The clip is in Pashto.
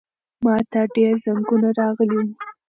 ماته ډېر زنګونه راغلي وو.